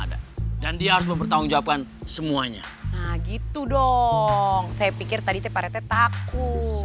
ada dan dia mempertanggungjawabkan semuanya gitu dong saya pikir tadi tepere takut